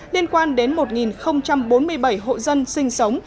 liên quan đến một bốn mươi bảy hộ dân sinh sống